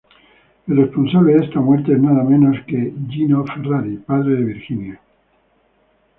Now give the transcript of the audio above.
El responsable de esta muerte es nada más que Gino Ferrari, padre de Virginia.